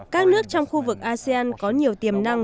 các nước trong khu vực asean có nhiều tiềm năng